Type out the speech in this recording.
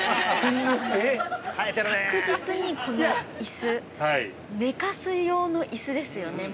確実に、この椅子寝かす用の椅子ですよね。